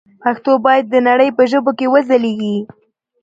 پښتو باید د نړۍ په ژبو کې وځلېږي.